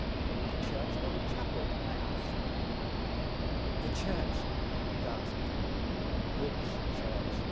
"The church or the chapel?" I asked him. "The church," he gasped. "Which church?"